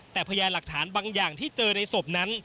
แต่พยานหลักฐานบางอย่างที่เจอในศพนั้น